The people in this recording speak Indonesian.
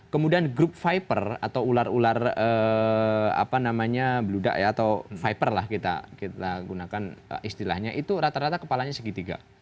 kemudian grup viper atau ular ular bludak ya atau viper lah kita gunakan istilahnya itu rata rata kepalanya segitiga